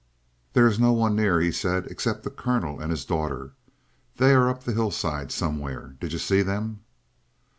"There is no one near," he said, "except the colonel and his daughter. They are up the hillside, somewhere. Did you see them?"